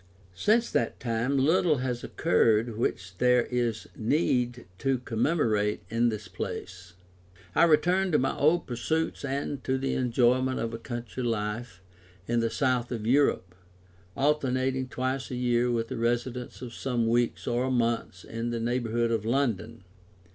Since that time little has occurred which there is need to commemorate in this place. I returned to my old pursuits and to the enjoyment of a country life in the south of Europe, alternating twice a year with a residence of some weeks or months in the neighbourhood of London.